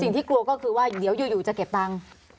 สิ่งที่กลัวก็คือว่าอยู่เดี๋ยวอยู่อยู่จะเก็บตังค์